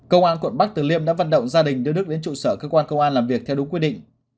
công an quận bắc tử liêm đã vận động gia đình đưa đức đến trụ sở cơ quan công an làm việc theo đúng quy định